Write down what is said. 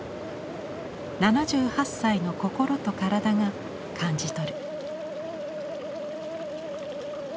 ７８歳の心と体が感じ取る。